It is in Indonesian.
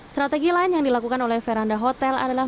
strategi lain yang dilakukan oleh veranda hotel adalah